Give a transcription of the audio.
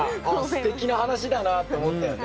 すてきな話だなって思ったよね。